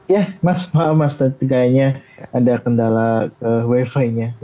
ya mas maaf mas ternyata kayaknya ada kendala wifi nya